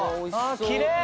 きれい！